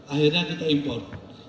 akhirnya kita import